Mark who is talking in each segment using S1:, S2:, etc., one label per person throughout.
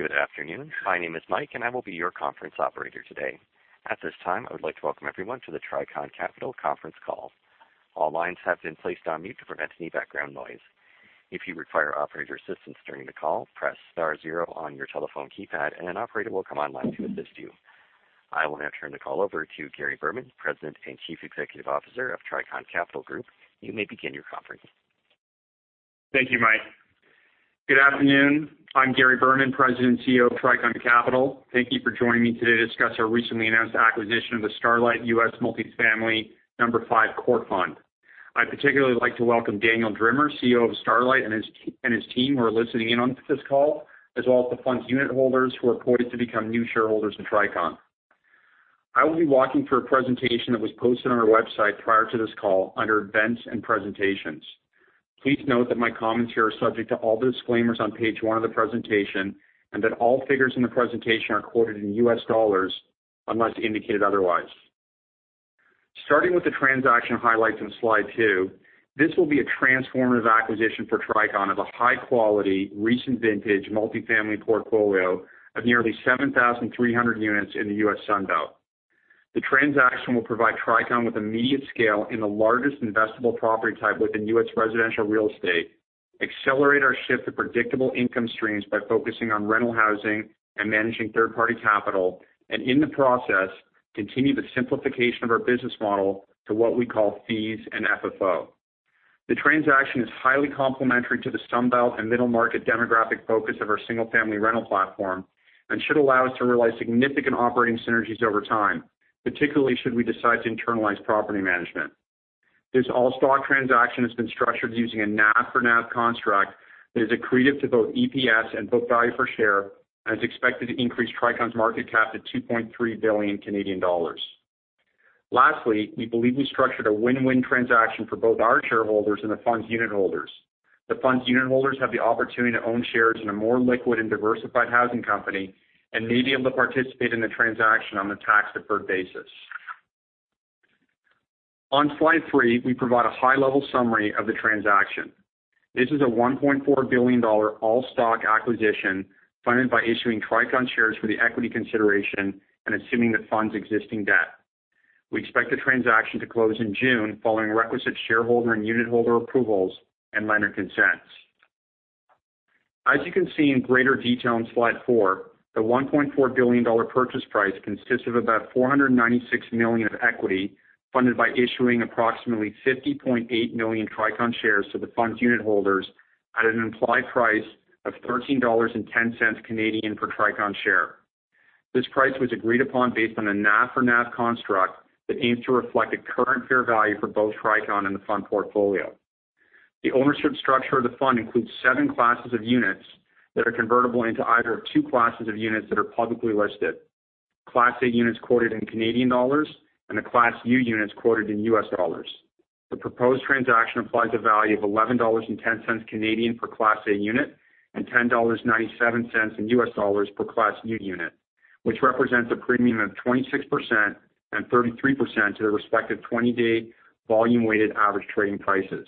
S1: Good afternoon. My name is Mike, I will be your conference operator today. At this time, I would like to welcome everyone to the Tricon Capital conference call. All lines have been placed on mute to prevent any background noise. If you require operator assistance during the call, press star zero on your telephone keypad, and an operator will come online to assist you. I will now turn the call over to Gary Berman, President and Chief Executive Officer of Tricon Capital Group. You may begin your conference.
S2: Thank you, Mike. Good afternoon. I am Gary Berman, President and CEO of Tricon Capital. Thank you for joining me today to discuss our recently announced acquisition of the Starlight U.S. Multi-Family (No. 5) Core Fund. I would particularly like to welcome Daniel Drimmer, CEO of Starlight, his team who are listening in on this call, as well as the fund's unitholders who are poised to become new shareholders of Tricon. I will be walking through a presentation that was posted on our website prior to this call under Events and Presentations. Please note that my comments here are subject to all the disclaimers on page one of the presentation, all figures in the presentation are quoted in U.S. dollars unless indicated otherwise. Starting with the transaction highlights on slide two, this will be a transformative acquisition for Tricon of a high-quality, recent vintage Multi-Family portfolio of nearly 7,300 units in the U.S. Sun Belt. The transaction will provide Tricon with immediate scale in the largest investable property type within U.S. residential real estate, accelerate our shift to predictable income streams by focusing on rental housing and managing third-party capital, in the process, continue the simplification of our business model to what we call fees and FFO. The transaction is highly complementary to the Sun Belt and middle-market demographic focus of our single-family rental platform should allow us to realize significant operating synergies over time, particularly should we decide to internalize property management. This all-stock transaction has been structured using a NAV for NAV construct that is accretive to both EPS and book value per share is expected to increase Tricon's market cap to 2.3 billion Canadian dollars. Lastly, we believe we structured a win-win transaction for both our shareholders the fund's unitholders. The fund's unitholders have the opportunity to own shares in a more liquid and diversified housing company may be able to participate in the transaction on a tax-deferred basis. On slide three, we provide a high-level summary of the transaction. This is a $1.4 billion all-stock acquisition funded by issuing Tricon shares for the equity consideration assuming the fund's existing debt. We expect the transaction to close in June following requisite shareholder unitholder approvals minor consents. As you can see in greater detail on slide four, the 1.4 billion dollar purchase price consists of about 496 million of equity funded by issuing approximately 50.8 million Tricon shares to the fund's unitholders at an implied price of 13.10 Canadian dollars per Tricon share. This price was agreed upon based on a NAV for NAV construct that aims to reflect a current fair value for both Tricon and the fund portfolio. The ownership structure of the fund includes seven classes of units that are convertible into either of two classes of units that are publicly listed, Class A Units quoted in Canadian dollars and the Class U Units quoted in US dollars. The proposed transaction applies a value of 11.10 Canadian dollars per Class A Unit and $10.97 in US dollars per Class U Unit, which represents a premium of 26% and 33% to their respective 20-day volume-weighted average trading prices.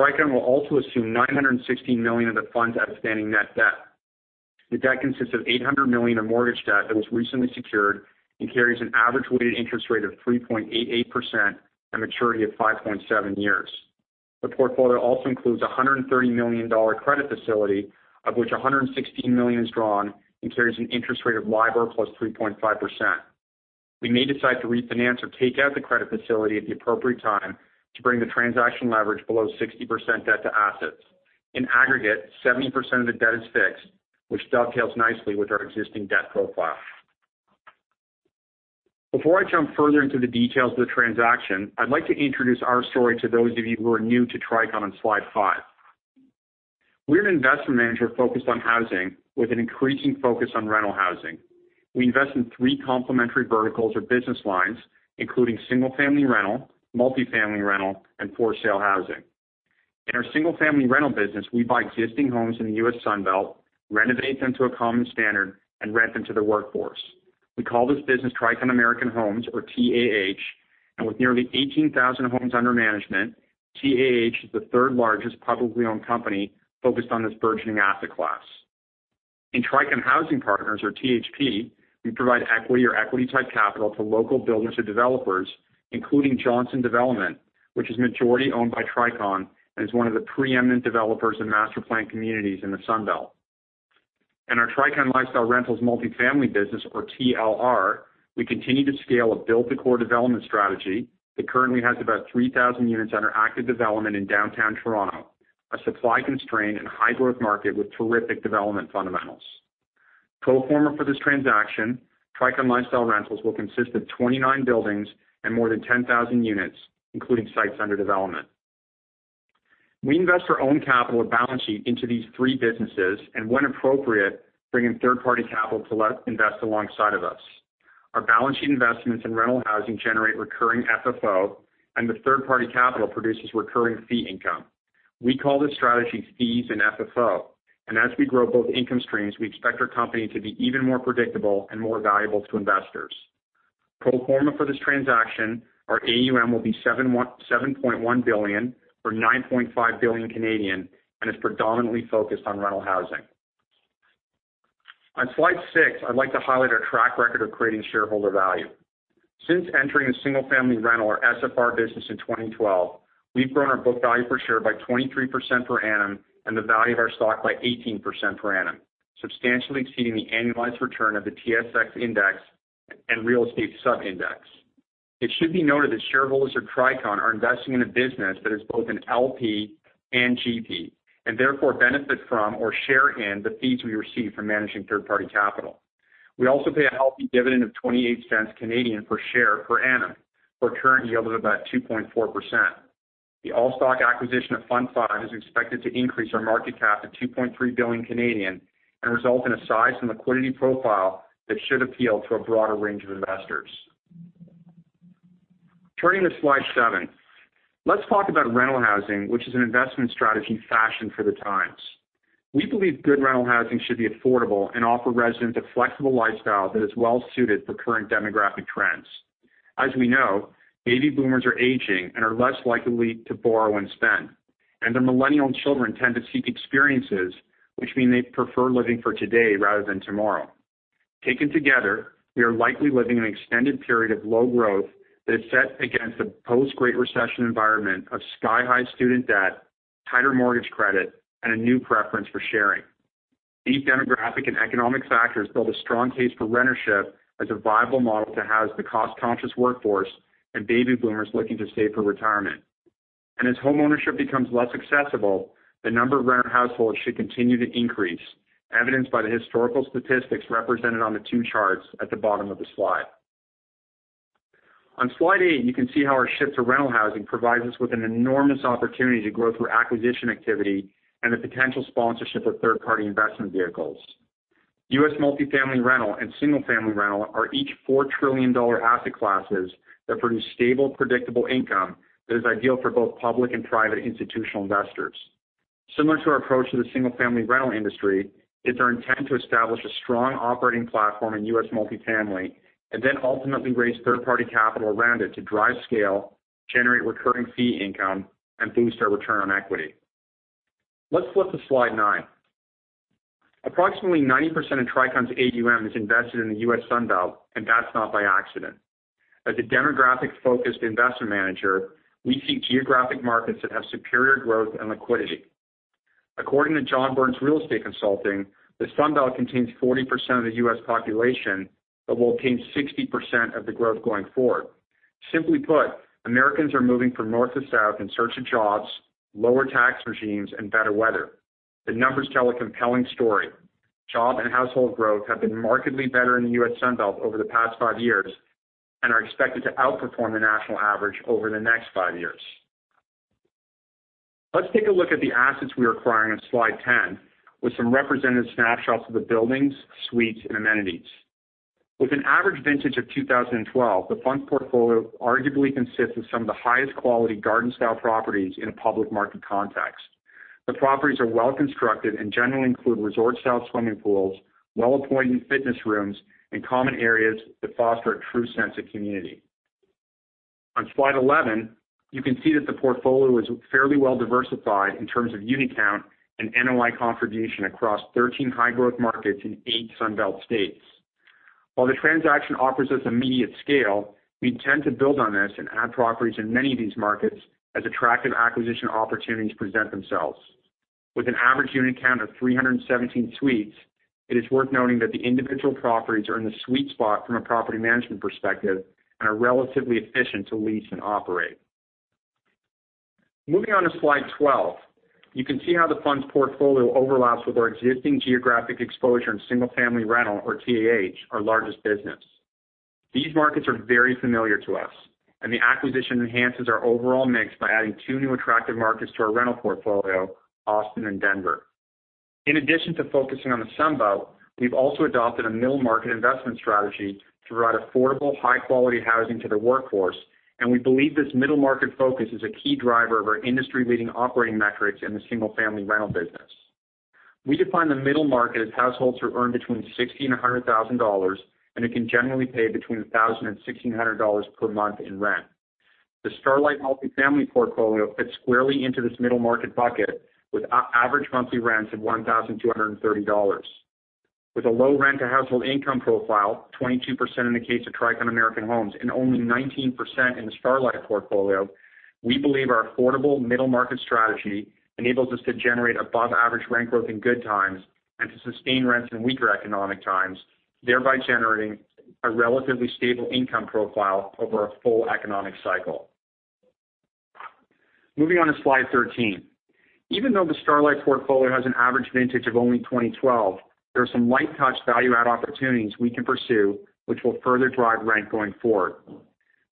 S2: Tricon will also assume 916 million of the fund's outstanding net debt. The debt consists of 800 million of mortgage debt that was recently secured and carries an average weighted interest rate of 3.88% and maturity of 5.7 years. The portfolio also includes a 130 million dollar credit facility, of which 116 million is drawn and carries an interest rate of LIBOR plus 3.5%. We may decide to refinance or take out the credit facility at the appropriate time to bring the transaction leverage below 60% debt to assets. In aggregate, 70% of the debt is fixed, which dovetails nicely with our existing debt profile. Before I jump further into the details of the transaction, I'd like to introduce our story to those of you who are new to Tricon on slide five. We're an investment manager focused on housing with an increasing focus on rental housing. We invest in three complementary verticals or business lines, including single-family rental, multifamily rental, and for-sale housing. In our single-family rental business, we buy existing homes in the U.S. Sun Belt, renovate them to a common standard, and rent them to the workforce. We call this business Tricon American Homes, or TAH, and with nearly 18,000 homes under management, TAH is the third-largest publicly owned company focused on this burgeoning asset class. In Tricon Housing Partners, or THP, we provide equity or equity-type capital to local builders or developers, including Johnson Development, which is majority-owned by Tricon and is one of the preeminent developers in master-planned communities in the Sun Belt. In our Tricon Lifestyle Rentals multifamily business, or TLR, we continue to scale a build-to-core development strategy that currently has about 3,000 units under active development in downtown Toronto, a supply-constrained and high-growth market with terrific development fundamentals. Pro forma for this transaction, Tricon Lifestyle Rentals will consist of 29 buildings and more than 10,000 units, including sites under development. We invest our own capital or balance sheet into these three businesses and, when appropriate, bring in third-party capital to invest alongside of us. Our balance sheet investments in rental housing generate recurring FFO, and the third-party capital produces recurring fee income. We call this strategy fees and FFO, and as we grow both income streams, we expect our company to be even more predictable and more valuable to investors. Pro forma for this transaction, our AUM will be 7.1 billion or 9.5 billion Canadian dollars, and is predominantly focused on rental housing. On slide six, I'd like to highlight our track record of creating shareholder value. Since entering the single-family rental or SFR business in 2012, we've grown our book value per share by 23% per annum, and the value of our stock by 18% per annum, substantially exceeding the annualized return of the TSX Index and Real Estate Sub Index. It should be noted that shareholders of Tricon are investing in a business that is both an LP and GP, and therefore benefit from or share in the fees we receive from managing third-party capital. We also pay a healthy dividend of 0.28 per share per annum for a current yield of about 2.4%. The all-stock acquisition of Fund V is expected to increase our market cap to 2.3 billion and result in a size and liquidity profile that should appeal to a broader range of investors. Turning to slide seven. Let's talk about rental housing, which is an investment strategy fashioned for the times. We believe good rental housing should be affordable and offer residents a flexible lifestyle that is well-suited for current demographic trends. As we know, baby boomers are aging and are less likely to borrow and spend. Their millennial children tend to seek experiences, which mean they prefer living for today rather than tomorrow. Taken together, we are likely living in an extended period of low growth that is set against the post-Great Recession environment of sky-high student debt, tighter mortgage credit, and a new preference for sharing. These demographic and economic factors build a strong case for rentership as a viable model to house the cost-conscious workforce and baby boomers looking to save for retirement. As homeownership becomes less accessible, the number of renter households should continue to increase, evidenced by the historical statistics represented on the two charts at the bottom of the slide. On slide eight, you can see how our shift to rental housing provides us with an enormous opportunity to grow through acquisition activity and the potential sponsorship of third-party investment vehicles. U.S. multifamily rental and single-family rental are each $4 trillion asset classes that produce stable, predictable income that is ideal for both public and private institutional investors. Similar to our approach to the single-family rental industry, it's our intent to establish a strong operating platform in U.S. multifamily and then ultimately raise third-party capital around it to drive scale, generate recurring fee income, and boost our return on equity. Let's flip to slide nine. Approximately 90% of Tricon's AUM is invested in the U.S. Sun Belt. That's not by accident. As a demographic-focused investment manager, we seek geographic markets that have superior growth and liquidity. According to John Burns Real Estate Consulting, the Sun Belt contains 40% of the U.S. population but will obtain 60% of the growth going forward. Simply put, Americans are moving from north to south in search of jobs, lower tax regimes, and better weather. The numbers tell a compelling story. Job and household growth have been markedly better in the U.S. Sun Belt over the past five years and are expected to outperform the national average over the next five years. Let's take a look at the assets we are acquiring on slide 10 with some representative snapshots of the buildings, suites, and amenities. With an average vintage of 2012, the fund's portfolio arguably consists of some of the highest quality garden-style properties in a public market context. The properties are well-constructed and generally include resort-style swimming pools, well-appointed fitness rooms, and common areas that foster a true sense of community. On slide 11, you can see that the portfolio is fairly well diversified in terms of unit count and NOI contribution across 13 high-growth markets in eight Sun Belt states. While the transaction offers us immediate scale, we intend to build on this and add properties in many of these markets as attractive acquisition opportunities present themselves. With an average unit count of 317 suites, it is worth noting that the individual properties are in the sweet spot from a property management perspective and are relatively efficient to lease and operate. Moving on to slide 12. You can see how the fund's portfolio overlaps with our existing geographic exposure in single-family rental or TAH, our largest business. These markets are very familiar to us, the acquisition enhances our overall mix by adding two new attractive markets to our rental portfolio, Austin and Denver. In addition to focusing on the Sun Belt, we've also adopted a middle-market investment strategy to provide affordable, high-quality housing to the workforce, and we believe this middle-market focus is a key driver of our industry-leading operating metrics in the single-family rental business. We define the middle market as households who earn between $60,000 and $100,000 and who can generally pay between $1,000 and $1,600 per month in rent. The Starlight multifamily portfolio fits squarely into this middle market bucket with average monthly rents of $1,230. With a low rent-to-household income profile, 22% in the case of Tricon American Homes, and only 19% in the Starlight portfolio, we believe our affordable middle market strategy enables us to generate above-average rent growth in good times and to sustain rents in weaker economic times, thereby generating a relatively stable income profile over a full economic cycle. Moving on to slide 13. Even though the Starlight portfolio has an average vintage of only 2012, there are some light-touch value add opportunities we can pursue which will further drive rent going forward.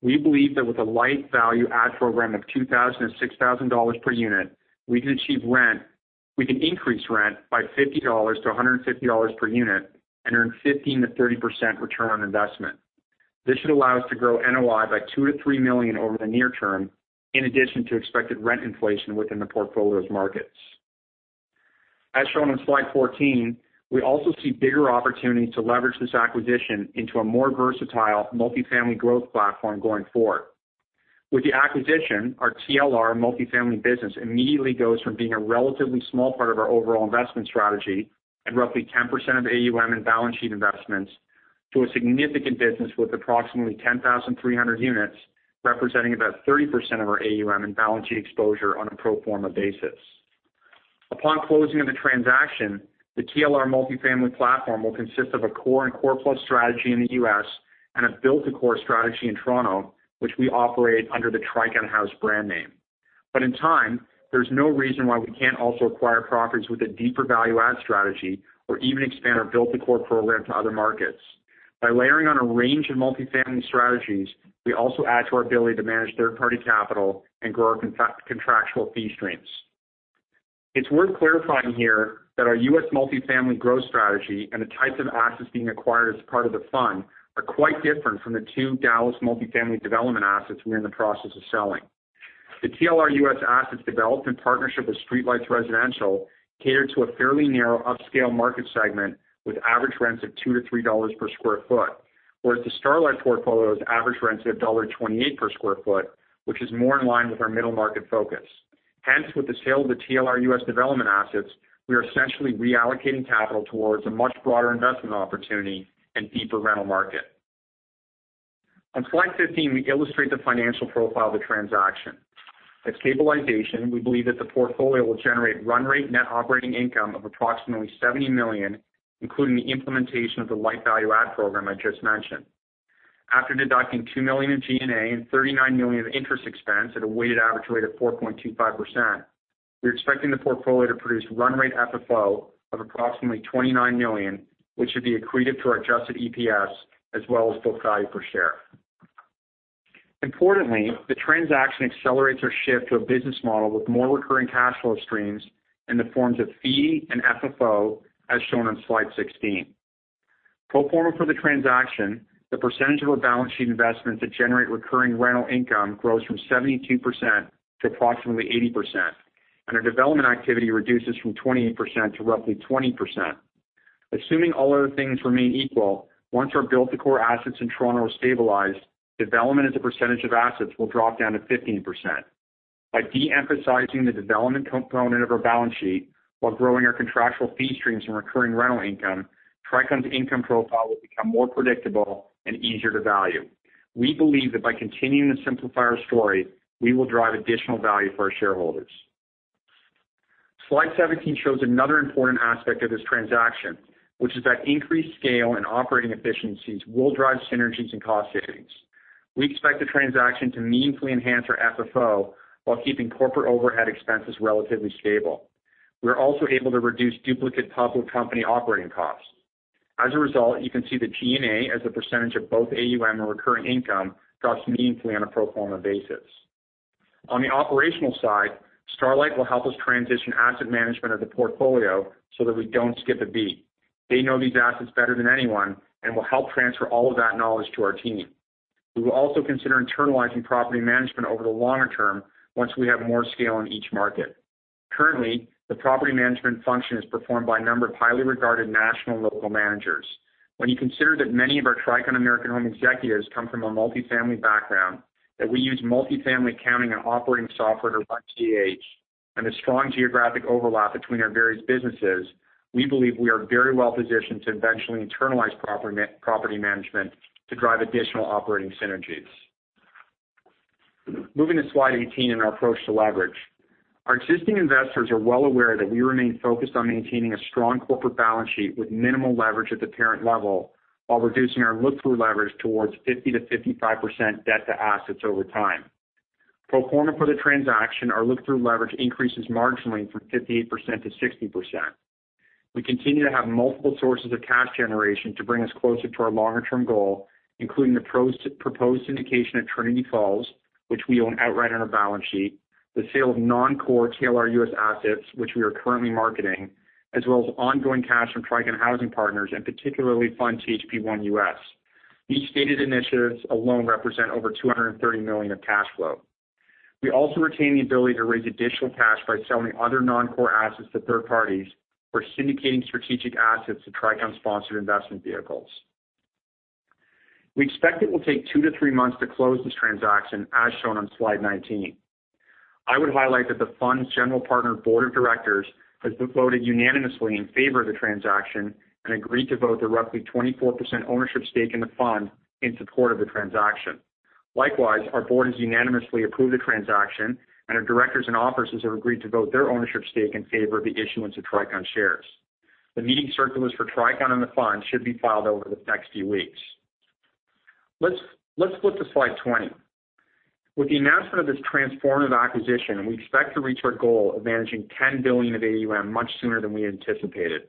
S2: We believe that with a light value add program of $2,000 and $6,000 per unit, we can increase rent by $50 to $150 per unit and earn 15%-30% return on investment. This should allow us to grow NOI by $2 million-$3 million over the near term, in addition to expected rent inflation within the portfolio's markets. As shown on slide 14, we also see bigger opportunities to leverage this acquisition into a more versatile multifamily growth platform going forward. With the acquisition, our TLR multifamily business immediately goes from being a relatively small part of our overall investment strategy, at roughly 10% of AUM and balance sheet investments, to a significant business with approximately 10,300 units, representing about 30% of our AUM and balance sheet exposure on a pro forma basis. Upon closing of the transaction, the TLR multifamily platform will consist of a core and core plus strategy in the U.S., and a built-to-core strategy in Toronto, which we operate under the Tricon House brand name. In time, there's no reason why we can't also acquire properties with a deeper value add strategy or even expand our build-to-core program to other markets. By layering on a range of multifamily strategies, we also add to our ability to manage third-party capital and grow our contractual fee streams. It's worth clarifying here that our U.S. multifamily growth strategy and the types of assets being acquired as part of the fund are quite different from the two Dallas multifamily development assets we're in the process of selling. The TLR U.S. assets developed in partnership with StreetLights Residential catered to a fairly narrow upscale market segment with average rents of $2 to $3 per square foot, whereas the Starlight portfolio's average rents are $1.28 per square foot, which is more in line with our middle market focus. With the sale of the TLR U.S. development assets, we are essentially reallocating capital towards a much broader investment opportunity and deeper rental market. On slide 15, we illustrate the financial profile of the transaction. At stabilization, we believe that the portfolio will generate run rate net operating income of approximately $70 million, including the implementation of the light value add program I just mentioned. After deducting $2 million in G&A and $39 million of interest expense at a weighted average rate of 4.25%, we're expecting the portfolio to produce run rate FFO of approximately $29 million, which should be accretive to our adjusted EPS as well as book value per share. Importantly, the transaction accelerates our shift to a business model with more recurring cash flow streams in the forms of fee and FFO, as shown on slide 16. Pro forma for the transaction, the percentage of our balance sheet investments that generate recurring rental income grows from 72% to approximately 80%, and our development activity reduces from 28% to roughly 20%. Assuming all other things remain equal, once our build-to-core assets in Toronto are stabilized, development as a percentage of assets will drop down to 15%. By de-emphasizing the development component of our balance sheet while growing our contractual fee streams and recurring rental income, Tricon's income profile will become more predictable and easier to value. We believe that by continuing to simplify our story, we will drive additional value for our shareholders. Slide 17 shows another important aspect of this transaction, which is that increased scale and operating efficiencies will drive synergies and cost savings. We expect the transaction to meaningfully enhance our FFO while keeping corporate overhead expenses relatively stable. We are also able to reduce duplicate public company operating costs. As a result, you can see the G&A as a percentage of both AUM and recurring income drops meaningfully on a pro forma basis. On the operational side, Starlight will help us transition asset management of the portfolio so that we don't skip a beat. They know these assets better than anyone and will help transfer all of that knowledge to our team. We will also consider internalizing property management over the longer term once we have more scale in each market. Currently, the property management function is performed by a number of highly regarded national and local managers. When you consider that many of our Tricon American Homes executives come from a multifamily background, that we use multifamily accounting and operating software run TAH, and the strong geographic overlap between our various businesses, we believe we are very well positioned to eventually internalize property management to drive additional operating synergies. Moving to slide 18 and our approach to leverage. Our existing investors are well aware that we remain focused on maintaining a strong corporate balance sheet with minimal leverage at the parent level while reducing our look-through leverage towards 50%-55% debt to assets over time. Pro forma for the transaction, our look-through leverage increases marginally from 58%-60%. We continue to have multiple sources of cash generation to bring us closer to our longer-term goal, including the proposed syndication of Trinity Falls, which we own outright on our balance sheet, the sale of non-core TLR U.S. assets, which we are currently marketing, as well as ongoing cash from Tricon Housing Partners, and particularly Fund THP1 U.S. These stated initiatives alone represent over $230 million of cash flow. We also retain the ability to raise additional cash by selling other non-core assets to third parties or syndicating strategic assets to Tricon sponsored investment vehicles. We expect it will take two to three months to close this transaction, as shown on slide 19. I would highlight that the fund's general partner board of directors has voted unanimously in favor of the transaction and agreed to vote the roughly 24% ownership stake in the fund in support of the transaction. Likewise, our board has unanimously approved the transaction, and our directors and officers have agreed to vote their ownership stake in favor of the issuance of Tricon shares. The meeting circulars for Tricon and the fund should be filed over the next few weeks. Let's flip to slide 20. With the announcement of this transformative acquisition, we expect to reach our goal of managing $10 billion of AUM much sooner than we anticipated.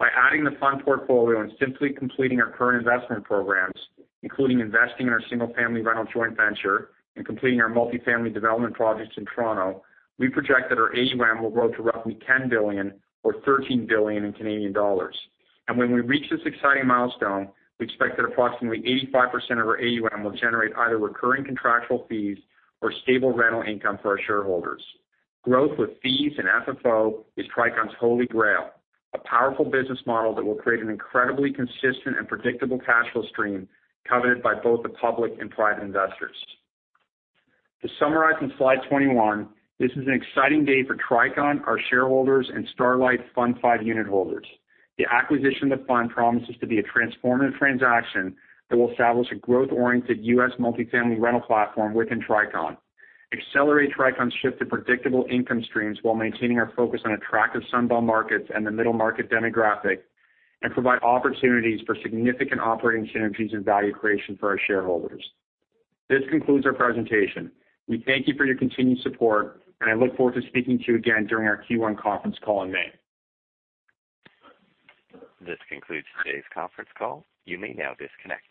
S2: By adding the fund portfolio and simply completing our current investment programs, including investing in our single-family rental joint venture and completing our multifamily development projects in Toronto, we project that our AUM will grow to roughly $10 billion or 13 billion. When we reach this exciting milestone, we expect that approximately 85% of our AUM will generate either recurring contractual fees or stable rental income for our shareholders. Growth with fees and FFO is Tricon's holy grail, a powerful business model that will create an incredibly consistent and predictable cash flow stream coveted by both the public and private investors. To summarize on slide 21, this is an exciting day for Tricon, our shareholders, and Starlight Fund V unitholders. The acquisition of the fund promises to be a transformative transaction that will establish a growth-oriented U.S. multifamily rental platform within Tricon, accelerate Tricon's shift to predictable income streams while maintaining our focus on attractive Sun Belt markets and the middle market demographic, and provide opportunities for significant operating synergies and value creation for our shareholders. This concludes our presentation. We thank you for your continued support, and I look forward to speaking to you again during our Q1 conference call in May.
S1: This concludes today's conference call. You may now disconnect.